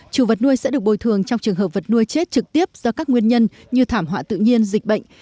chủ vật nuôi sẽ được bồi thường trong trường hợp vật nuôi chết trực tiếp do các nguyên nhân như thảm họa tự nhiên dịch bệnh